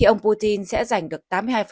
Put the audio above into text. ông putin sẽ giành được tám mươi hai